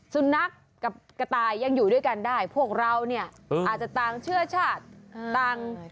สุนัขกับกระต่ายยังอยู่ด้วยกันได้พวกเราเนี่ยอาจจะต่างเชื่อชาติต่าง